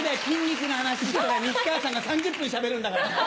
筋肉の話したら西川さんが３０分しゃべるんだから。